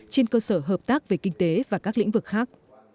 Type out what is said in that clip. trên cơ sở hợp tác về kinh tế và các lĩnh vực khác